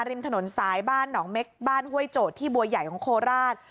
ริมถนนสายบ้านหนองเม็กบ้านห้วยโจทย์ที่บัวใหญ่ของโคราช